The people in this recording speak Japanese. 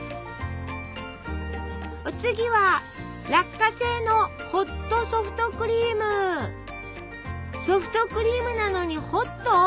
お次はソフトクリームなのにホット？